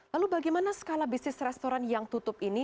lalu bagaimana skala bisnis restoran yang tutup ini